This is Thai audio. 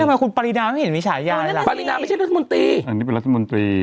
ทำไมคุณปรินาไม่เห็นมีฉายาเลยล่ะปรินาไม่ใช่รัฐมนตรีอันนี้เป็นรัฐมนตรี